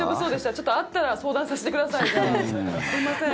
ちょっとあったら相談させてください。